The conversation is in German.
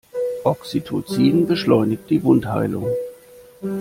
Oxytocin beschleunigt die Wundheilung.